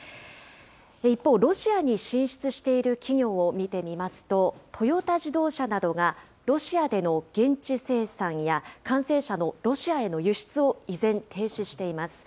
一方、ロシアに進出している企業を見てみますと、トヨタ自動車などがロシアでの現地生産や完成車のロシアへの輸出を依然停止しています。